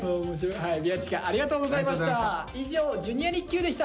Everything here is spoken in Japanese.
宮近ありがとうございました。